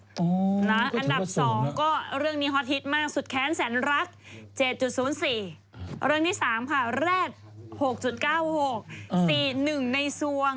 สูงสี่เรื่องที่สามค่ะแรดหกจุดเก้าหกสี่หนึ่งในสวง